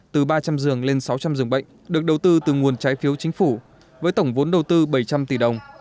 từ ba trăm linh giường lên sáu trăm linh giường bệnh được đầu tư từ nguồn trái phiếu chính phủ với tổng vốn đầu tư bảy trăm linh tỷ đồng